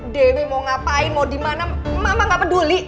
dewi mau ngapain mau dimana mama gak peduli